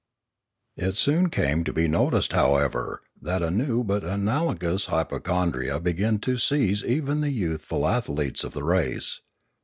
It soon came to be noticed, however, that a new but analogous hypochondria began to seize even the youth ful athletes of the race.